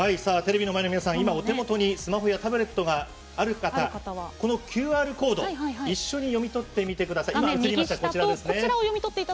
お手元にスマホタブレットがある方このＱＲコードを一緒に読み取ってみてください。